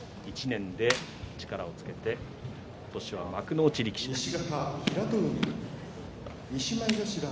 １年で力をつけて今年は幕内力士です。